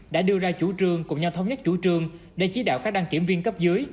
đã đưa ra chủ trương cùng nhau thống nhất chủ trương để chí đạo các đăng kiểm viên cấp dưới